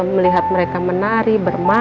ajib melihat api russian ketelah bersih bunda